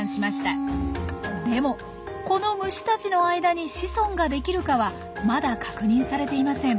でもこの虫たちの間に子孫ができるかはまだ確認されていません。